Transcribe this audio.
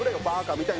みたいな。